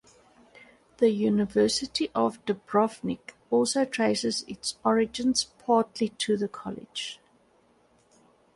The University of Dubrovnik also traces its origins partly to the college.